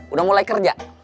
udah mulai kerja